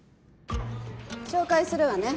紹介するわね。